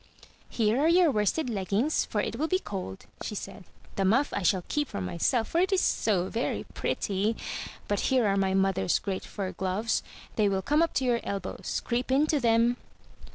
" Here are your worsted leggins, for it will be cold,*' she said, "the muff I shall keep for myself, — for it is so very pretty. But here are my mother's great fur gloves. They will come up to your elbows. Creep into them.